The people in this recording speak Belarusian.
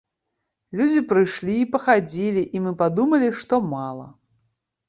Людзі прыйшлі, пахадзілі, і мы падумалі, што мала.